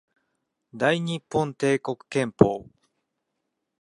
大日本帝国憲法